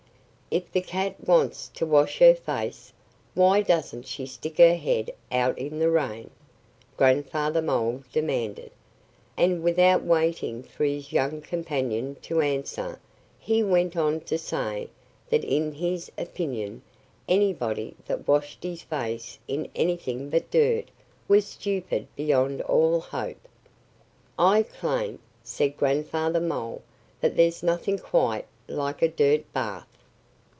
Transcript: "If the cat wants to wash her face, why doesn't she stick her head out in the rain?" Grandfather Mole demanded. And without waiting for his young companion to answer, he went on to say that in his opinion anybody that washed his face in anything but dirt was stupid beyond all hope. "I claim," said Grandfather Mole, "that there's nothing quite like a dirt bath."